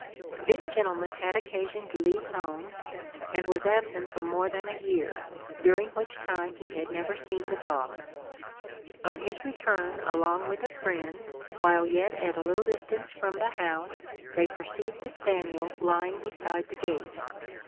This gentleman had occasion to leave home, and was absent for more than a year, during which time he had never seen the dog. On his return along with a friend, while yet at a little distance from the house, they perceived the spaniel lying beside the gate.